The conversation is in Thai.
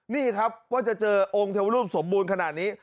นี่ครับว่าจะเจอองค์เทวรูปสมบูรณ์ขนาดนี้